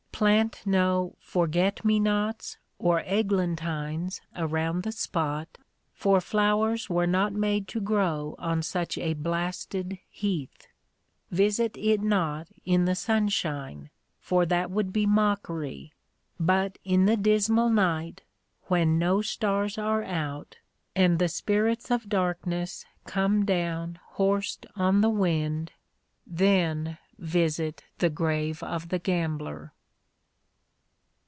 Plant no "forget me nots" or eglantines around the spot, for flowers were not made to grow on such a blasted heath. Visit it not in the sunshine, for that would be mockery, but in the dismal night, when no stars are out, and the spirits of darkness come down horsed on the wind, then visit the grave of the gambler!